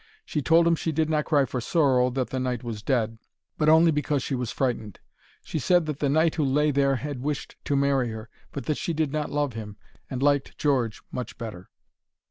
She told him she did not cry for sorrow that the knight was dead, but only because she was frightened. She said that the knight who lay there had wished to marry her, but that she did not love him, and liked George much better.